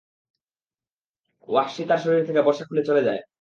ওয়াহশী তাঁর শরীর থেকে বর্শা খুলে চলে যায়।